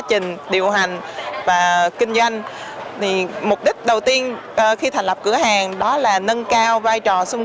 trình điều hành và kinh doanh thì mục đích đầu tiên khi thành lập cửa hàng đó là nâng cao vai trò xung